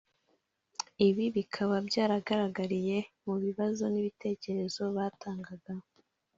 ibi bikaba byagaragariye mu bibazo n’ibitekerezo batangaga